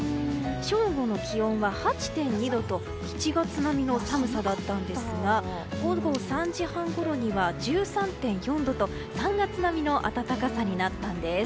正午の気温は８．２度と１月並みの寒さだったんですが午後３時半ごろには１３．４度と３月並みの暖かさになったんです。